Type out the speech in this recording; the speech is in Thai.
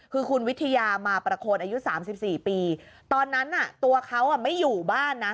คือคุณวิทยามาประโคนอายุสามสิบสี่ปีตอนนั้นน่ะตัวเขาไม่อยู่บ้านนะ